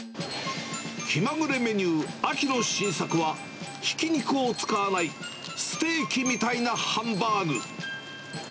気まぐれメニュー、秋の新作は、ひき肉を使わないステーキみたいなハンバーグ。